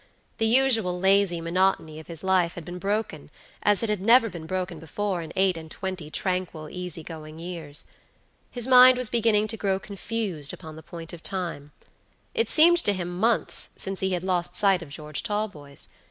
The usual lazy monotony of his life had been broken as it had never been broken before in eight and twenty tranquil, easy going years. His mind was beginning to grow confused upon the point of time. It seemed to him months since he had lost sight of George Talboys.